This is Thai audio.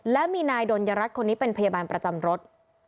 และมีนายดลยรัฐคนนี้เป็นพยาบาลประจำรถ